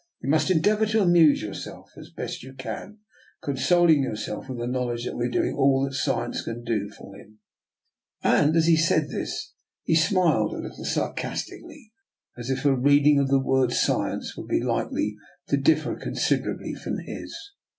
You must endeavour to amuse yourself as best you can, consoling yourself with the knowledge that we are doing all that science can do for him." As he said this he smiled a little sarcasti cally, as if her reading of the word science would be likely to differ considerably from his.